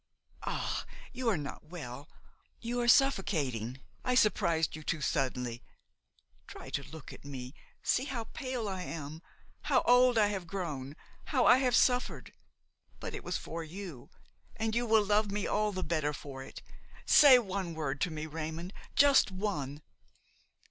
Ah! you are not well, you are suffocating, I surprised you too suddenly! Try to look at me; see how pale I am, how old I have grown, how I have suffered! But it was for you, and you will love me all the better for it! Say one word to me, Raymon, just one."